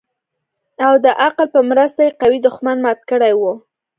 او د عقل په مرسته يې قوي دښمن مات کړى و.